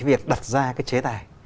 việc đặt ra cái chế tài